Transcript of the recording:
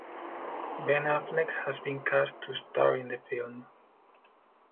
Ben Affleck has been cast to star in the film.